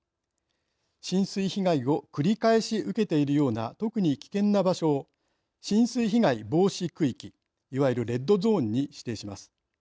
浸水被害を繰り返し受けているような特に危険な場所を浸水被害防止区域いわゆるレッドゾーンに指定します。